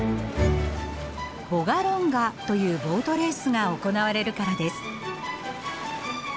ヴォガロンガというボートレースが行われるからです。